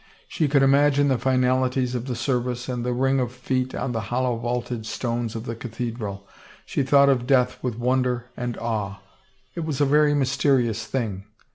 She could imagine the finalities of the service and the ring of feet on the hollow vaulted stones of the cathedral. She thought of death with won der and awe. It was a very mysterious thing.